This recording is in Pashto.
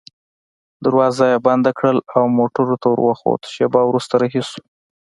دروازه يې بنده کړل او موټر ته وروخوت، شېبه وروسته رهي شوو.